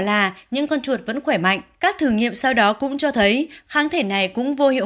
là những con chuột vẫn khỏe mạnh các thử nghiệm sau đó cũng cho thấy kháng thể này cũng vô hiệu